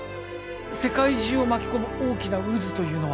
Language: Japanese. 世界中を巻き込む大きな渦というのは